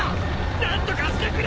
何とかしてくれ！